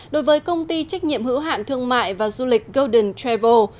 đối với công ty trách nhiệm hữu hạn thương mại và du lịch golden travel